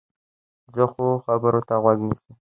زه ښو خبرو ته غوږ نیسم.